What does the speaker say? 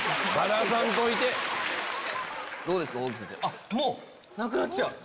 あっもうなくなっちゃう！